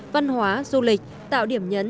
văn hóa du lịch tạo điểm nhấn